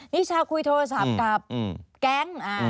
นิชาคุยโทรศัพท์กับแก๊ง